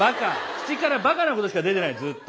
口からバカなことしか出てないずっと。